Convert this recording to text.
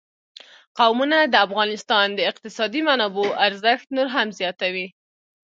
قومونه د افغانستان د اقتصادي منابعو ارزښت نور هم زیاتوي.